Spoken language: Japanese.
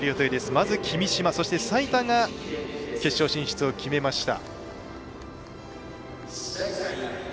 まず、君嶋、そして税田が決勝進出を決めました。